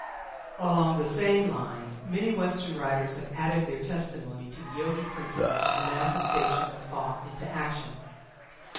Along the same lines, many Western writers have added their testimony to the Yogi principle of the manifestation of thought into action.